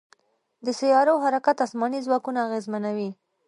د سیارو حرکت اسماني ځواکونه اغېزمنوي.